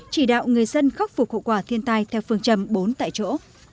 chỉ đạo người dân khắc phục hậu quả thiên tai theo phương châm bốn tại chỗ